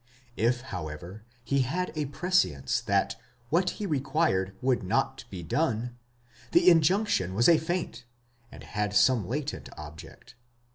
If, however, he had a prescience that what he required would not be done, the injunction was a feint, and had some latent object.